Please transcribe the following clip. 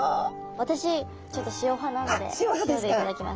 私ちょっと塩派なので塩で頂きます。